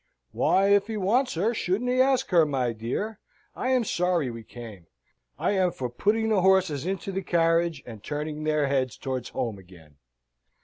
"Why, if he wants her, shouldn't he ask her, my dear? I am sorry we came. I am for putting the horses into the carriage, and turning their heads towards home again."